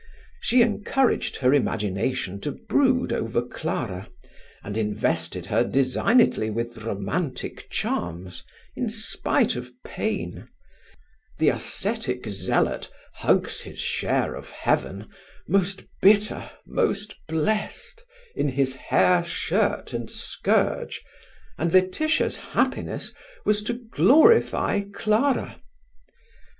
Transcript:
She encouraged her imagination to brood over Clara, and invested her designedly with romantic charms, in spite of pain; the ascetic zealot hugs his share of Heaven most bitter, most blessed in his hair shirt and scourge, and Laetitia's happiness was to glorify Clara.